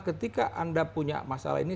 ketika anda punya masalah ini